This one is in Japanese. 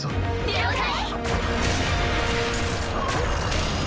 了解！